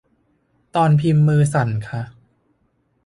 ตอนพิมพ์มือสั่นค่ะ